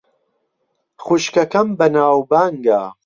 خوشکەکەم بەناوبانگە.